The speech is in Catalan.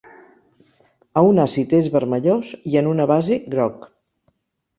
A un àcid és vermellós i en una base groc.